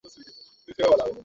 Sir, এখন আমরা কী করব?